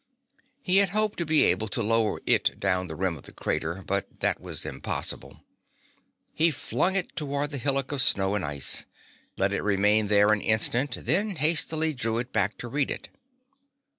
He had hoped to be able to lower it down the rim of the crater, but that was impossible. He flung it toward the hillock of snow and ice, let it remain there an instant, then hastily drew it back to read it.